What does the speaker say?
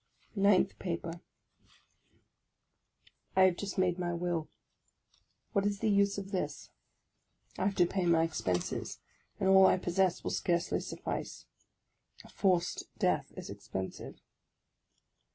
NINTH PAPER I HAVE just made my will; what was the use of this? I have to pay my expenses, and all I possess will scarcely suffice. A forced death is expensive.